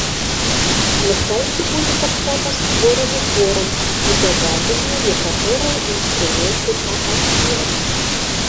На сайце будзе таксама створаны форум і дададзеныя некаторыя інструменты па архівах.